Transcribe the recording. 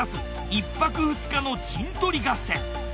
１泊２日の陣取り合戦。